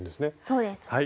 そうです。